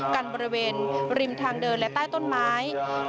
กันบริเวณริมทางเดินและใต้ต้นไม้